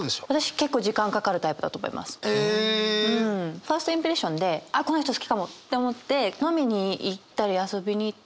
ファーストインプレッションであっこの人好きかも！って思って飲みに行ったり遊びに行ったり。